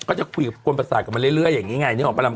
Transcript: ก็จะคุยกับกวนประสาทกับมันเรื่อยอย่างนี้ไงนึกออกปะลำ